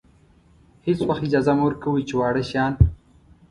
هېڅ وخت اجازه مه ورکوئ چې واړه شیان.